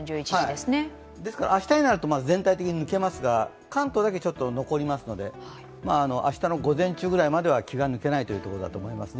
明日になると全体的に抜けますが、関東だけちょっと残りますので明日の午前中ぐらいまで気が抜けないというところだと思います。